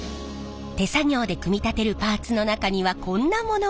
手作業で組み立てるパーツの中にはこんなものも。